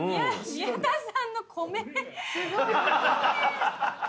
宮田さんの米。